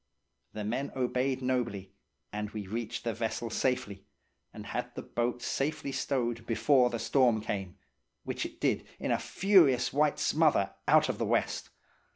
The men obeyed nobly, and we reached the vessel safely, and had the boat safely stowed before the storm came, which it did in a furious white smother out of the west.